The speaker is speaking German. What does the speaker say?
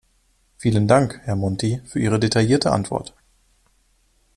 Vielen Dank, Herr Monti, für Ihre detaillierte Antwort.